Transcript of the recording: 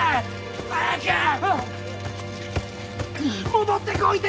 戻ってこいて賢作！